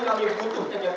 kami butuh kjpr